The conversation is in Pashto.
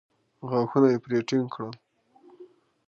غاښونه يې پرې ټينګ کړل.